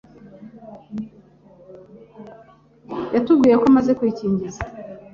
yatubwiye ko amaze kwikingiza